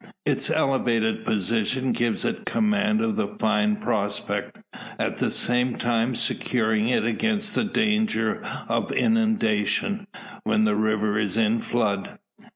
Its elevated position gives it command of a fine prospect, at the same time securing it against the danger of inundation, when the river is in flood.